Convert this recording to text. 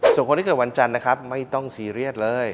ส่วนคนที่เกิดวันจันทร์นะครับไม่ต้องซีเรียสเลย